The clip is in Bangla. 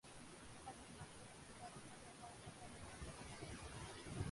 ফলে মাঝে-মধ্যেই ব্যাটসম্যানের বল তাকে আঘাত হানতো।